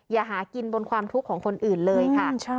อย่าหากินบนความทุกข์ของคนอื่นเลยค่ะ